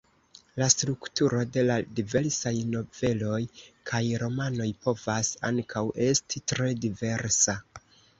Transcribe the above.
La strukturo de la diversaj noveloj kaj romanoj povas ankaŭ esti tre diversa.